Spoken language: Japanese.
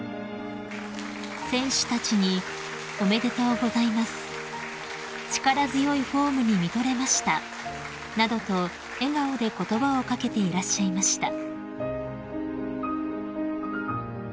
［選手たちに「おめでとうございます」「力強いフォームに見とれました」などと笑顔で言葉を掛けていらっしゃいました］